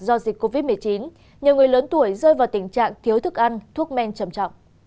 do dịch covid một mươi chín nhiều người lớn tuổi rơi vào tình trạng thiếu thức ăn thuốc men trầm trọng